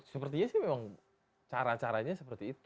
sepertinya sih memang cara caranya seperti itu